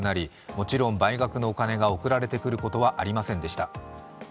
もちろん倍額のお金が送られてくることはありませんでした。